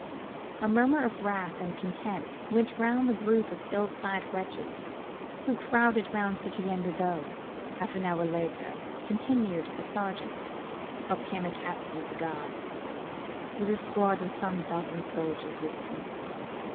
A murmur of wrath and contempt went round the group of ill clad wretches, who crowded round Citoyen Bibot. "Half an hour later," continued the sergeant, "up comes a captain of the guard with a squad of some dozen soldiers with him.